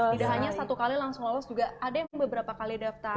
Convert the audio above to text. tidak hanya satu kali langsung lolos juga ada yang beberapa kali daftar